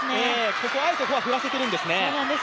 ここ、あえてフォア振らせているんですね。